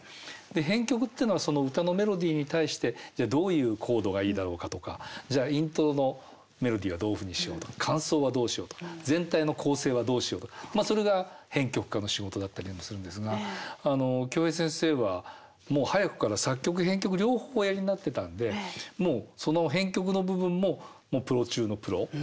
編曲ってのはその歌のメロディーに対してどういうコードがいいだろうかとかじゃあイントロのメロディーはどういうふうにしようとか間奏はどうしようとか全体の構成はどうしようとかそれが編曲家の仕事だったりもするんですが京平先生はもう早くから作曲・編曲両方おやりになってたんでもうその編曲の部分もプロ中のプロ。